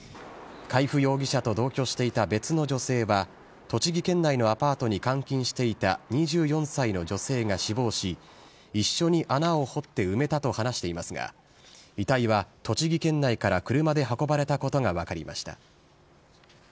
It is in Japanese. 海部容疑者と同居していた別の女性は、栃木県内のアパートに監禁していた２４歳の女性が死亡し、一緒に穴を掘って埋めたと話していますが、遺体は栃木県内から車で運ばれたことが分かりました。